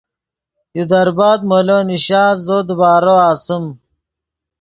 یو دربت مولو نیشا زو دیبارو اسیم